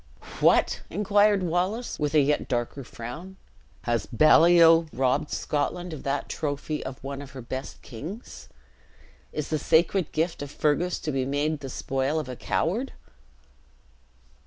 "What!" inquired Wallace, with a yet darker frown, "has Baliol robbed Scotland of that trophy of one of her best kings? Is the sacred gift of Fergus to be made the spoil of a coward?"